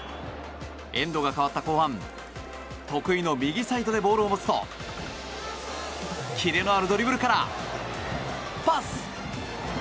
エンドが変わった後半得意の右サイドでボールを持つとキレのあるドリブルからパス！